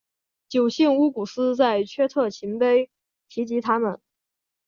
九姓乌古斯在阙特勤碑提及他们。